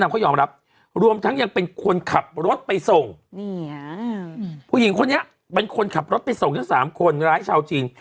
ก็จะเป็นคนขับรถไปส่งทั้ง๓คนร้ายชาวจีน